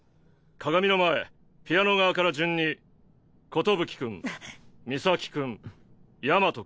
鏡の前ピアノ側から順に寿君海咲君大和君。